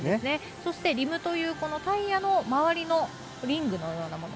そしてリムというこのタイヤの周りのリングのようなもの